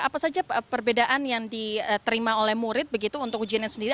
apa saja perbedaan yang diterima oleh murid begitu untuk ujiannya sendiri